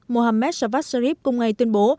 mohammed javad sharif cùng ngày tuyên bố